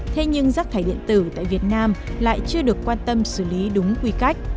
thế nhưng rác thải điện tử tại việt nam lại chưa được quan tâm xử lý đúng quy cách